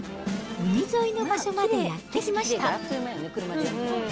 海沿いの場所までやって来ました。